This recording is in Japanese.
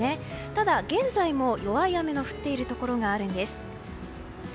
ただ、現在も弱い雨が降っているところがあるんです。